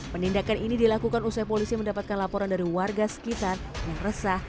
penindakan ini dilakukan usai polisi mendapatkan laporan dari warga sekitar yang resah